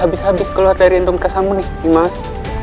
habis habis keluar dari rungkas kamu nih imas